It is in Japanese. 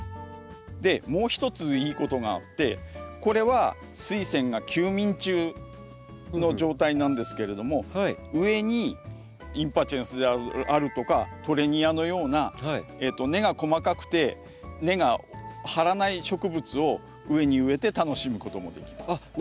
もう一ついいことがあってこれはスイセンが休眠中の状態なんですけれども上にインパチェンスであるとかトレニアのような根が細かくて根が張らない植物を上に植えて楽しむこともできます。